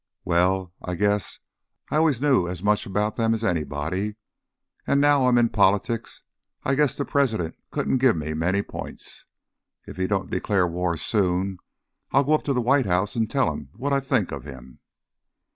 "Well, I guess I always knew as much about them as anybody; and now I'm in politics, I guess the President couldn't give me many points. If he don't declare war soon, I'll go up to the White House and tell him what I think of him."